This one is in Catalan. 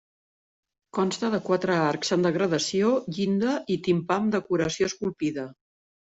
Consta de quatre arcs en degradació, llinda i timpà amb decoració esculpida.